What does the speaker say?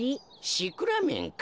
シクラメンか。